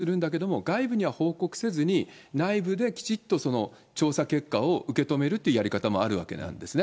しかもその外部の人だけで調査するんだけれども、外部には報告せずに、内部できちっと調査結果を受け止めるってやり方もあるわけなんですね。